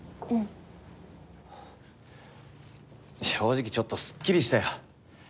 正直ちょっとすっきりしたよ。